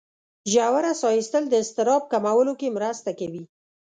ژوره ساه ایستل د اضطراب کمولو کې مرسته کوي.